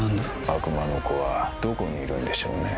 悪魔の子はどこにいるんでしょうね？